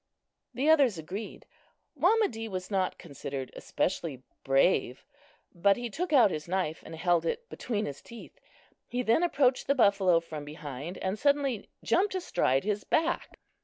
The others agreed. Wamedee was not considered especially brave; but he took out his knife and held it between his teeth. He then approached the buffalo from behind and suddenly jumped astride his back.